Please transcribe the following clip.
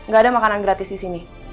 gak ada makanan gratis disini